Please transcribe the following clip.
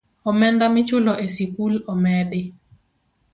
Omenda michulo e sikul omedi